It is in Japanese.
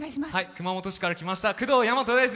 熊本市から来ましたくどうです。